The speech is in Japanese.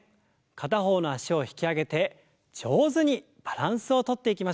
片方の脚を引き上げて上手にバランスをとっていきましょう。